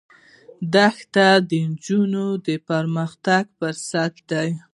دښتې د نجونو د پرمختګ فرصتونه دي.